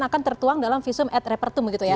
akan tertuang dalam visum et repertum